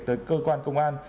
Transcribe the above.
tới cơ quan công an